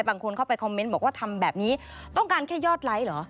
บางคนเข้าไปคอมเมนต์บอกว่าทำแบบนี้ต้องการแค่ยอดไลค์เหรอ